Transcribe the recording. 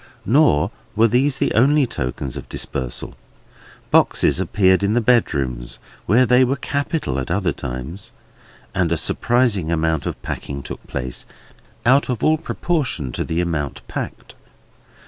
Nor were these the only tokens of dispersal. Boxes appeared in the bedrooms (where they were capital at other times), and a surprising amount of packing took place, out of all proportion to the amount packed.